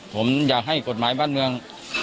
ผมอยากให้กฎหมายบ้านเมือง